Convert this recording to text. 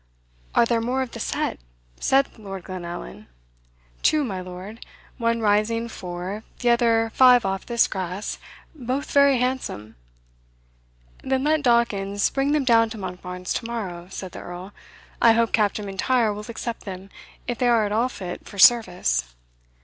"Are there more of the set?" said Lord Glenallan. "Two, my lord, one rising four, the other five off this grass, both very handsome." "Then let Dawkins bring them down to Monkbarns to morrow," said the Earl "I hope Captain M'Intyre will accept them, if they are at all fit for service."